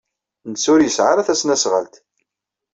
Netta ur yesɛi ara tasnasɣalt.